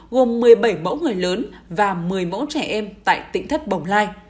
gồm một mươi bảy mẫu người lớn và một mươi mẫu trẻ em tại tỉnh thất bồng lai